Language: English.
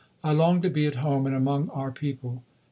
I long to be at home and among our people.